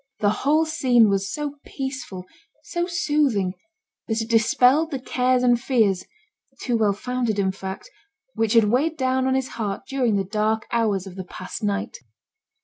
The whole scene was so peaceful, so soothing, that it dispelled the cares and fears (too well founded in fact) which had weighed down on his heart during the dark hours of the past night.